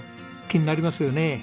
気になりますよね。